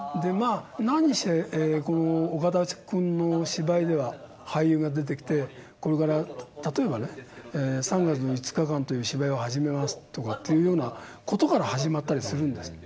何せこの岡田君の芝居では俳優が出てきて例えばね「『三月の５日間』という芝居を始めます」とかというような事から始まったりするんです。